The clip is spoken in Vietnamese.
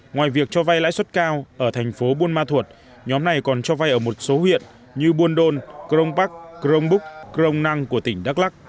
ngoài việc cho vay lãi suất cao ở thành phố buôn ma thuột nhóm này còn cho vay ở một số huyện như buôn đôn crong park crong búc crong năng của tỉnh đắk lắc